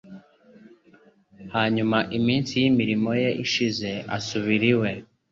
Hanyuma "iminsi y'imirimo ye ishize asubira iwe".